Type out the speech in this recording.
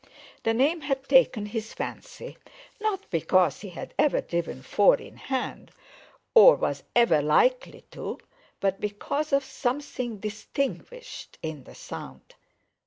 The name had taken his fancy, not because he had ever driven four in hand, or was ever likely to, but because of something distinguished in the sound.